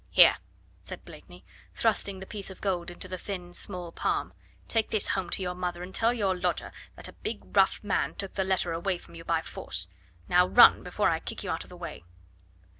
"Here," said Blakeney, thrusting the piece of gold into the thin small palm, "take this home to your mother, and tell your lodger that a big, rough man took the letter away from you by force. Now run, before I kick you out of the way."